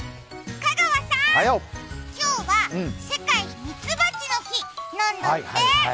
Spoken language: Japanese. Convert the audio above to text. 香川さん、今日は世界ミツバチの日なんだって。